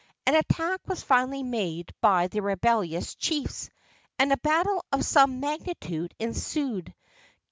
An attack was finally made by the rebellious chiefs, and a battle of some magnitude ensued.